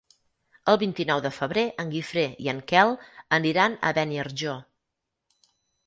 El vint-i-nou de febrer en Guifré i en Quel aniran a Beniarjó.